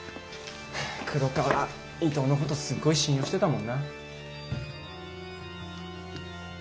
黒川伊藤のことすっごい信用してたもんな。